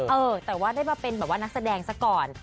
เออแต่ได้มาเป็นนักแสดงซะก่อน